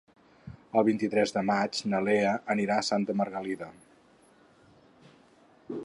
El vint-i-tres de maig na Lea anirà a Santa Margalida.